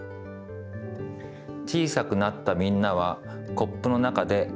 小さくなったみんなはコップの中で何をしますか？